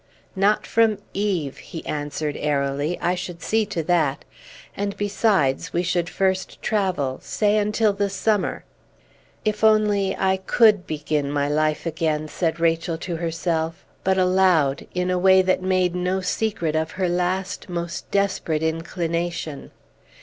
"Not from Eve," he answered airily. "I should see to that; and, besides, we should first travel, say until the summer." "If only I could begin my life again!" said Rachel to herself, but aloud, in a way that made no secret of her last, most desperate inclination.